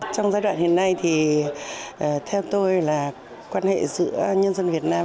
trong giai đoạn hiện nay thì theo tôi là quan hệ giữa nhân dân việt nam